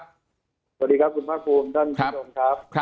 สวัสดีครับคุณภาคภูมิท่านผู้ชมครับ